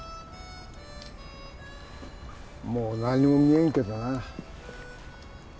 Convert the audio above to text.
もう何も見えんけどな。